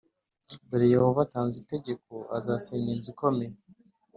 Dore Yehova atanze itegeko azasenya inzu ikomeye